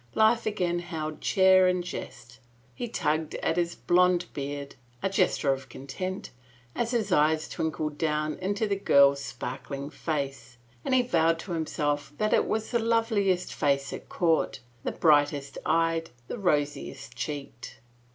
Life again held cheer and jest. He tugged at his blond beard — a gesture of content — as his eyes twinkled down into the girl's sparkling face, and he vowed to himself that it was the loveliest face at court, the brightest eyed, the rosiest cheeked.